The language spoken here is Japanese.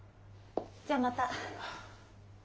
じゃあまた。